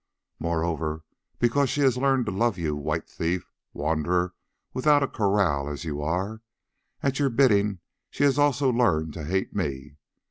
"Moreover, because she has learned to love you, white thief, wanderer without a kraal as you are, at your bidding she has also learned to hate me.